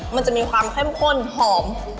มันจะมีความเข้มข้นหอม